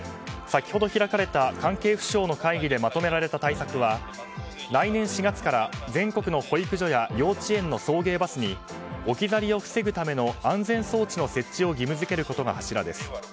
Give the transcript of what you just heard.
先ほど開かれた関係府省の会議でまとめられた対策は来年４月から全国の保育所や幼稚園の送迎バスに置き去りを防ぐための安全装置の設置を義務付けることが柱です。